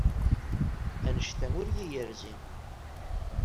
Anect-a ur iyi-yerzi.